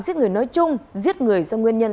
giết người nói chung giết người do nguyên nhân